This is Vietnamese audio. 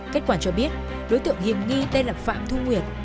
kết quả cho biết đối tượng hiểm nghi tên là phạm thu nguyệt